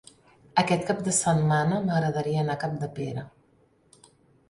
Aquest cap de setmana m'agradaria anar a Capdepera.